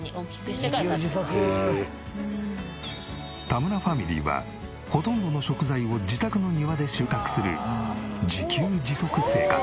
田村ファミリーはほとんどの食材を自宅の庭で収穫する自給自足生活。